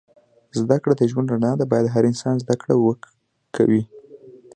زده کړه د ژوند رڼا ده. باید هر انسان زده کړه وه کوی